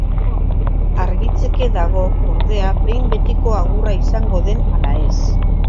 Argitzeke dago, ordea, behin betiko agurra izango den ala ez.